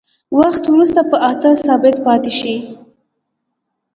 وخت وروسته په اته ثابت پاتې شي.